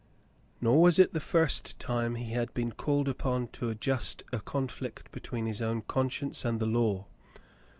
Nor was it the first time he had been called upon to adjust a conflict between his own conscience and the law.